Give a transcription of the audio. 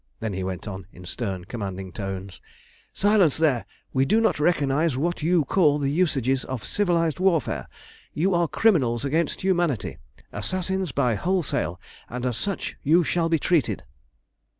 Then he went on, in stern commanding tones "Silence there! We do not recognise what you call the usages of civilised warfare. You are criminals against humanity, assassins by wholesale, and as such you shall be treated."